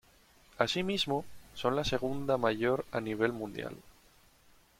Asimismo, son la segunda mayor a nivel mundial.